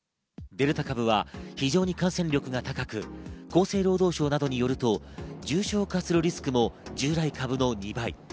デルタ株は非常に感染力が高く、厚生労働省などによると、重症化リスクも従来株の２倍。